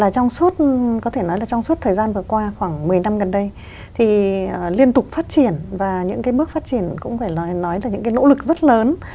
trong suốt thời gian vừa qua khoảng một mươi năm gần đây liên tục phát triển và những bước phát triển cũng phải nói là những nỗ lực rất lớn